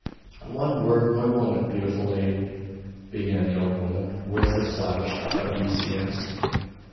'One word! one moment, beautiful lady,' began the old woman, with a slavish obeisance.